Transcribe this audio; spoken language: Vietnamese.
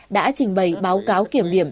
đã trình bày báo cáo kiểm điểm